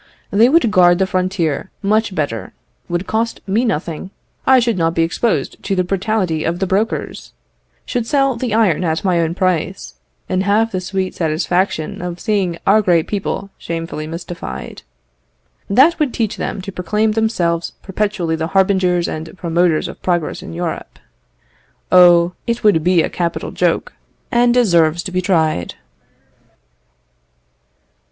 They would guard the frontier much better; would cost me nothing; I should not be exposed to the brutality of the brokers; should sell the iron at my own price, and have the sweet satisfaction of seeing our great people shamefully mystified. That would teach them to proclaim themselves perpetually the harbingers and promoters of progress in Europe. Oh! it would be a capital joke, and deserves to be tried."